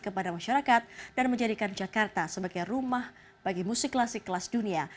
kepada masyarakat dan menjadikan jakarta sebagai rumah bagi musik klasik kelas dunia